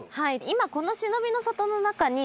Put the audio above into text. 今このしのびの里の中に。